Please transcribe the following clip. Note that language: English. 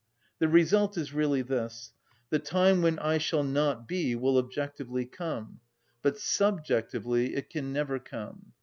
The result is really this: the time when I shall not be will objectively come; but subjectively it can never come.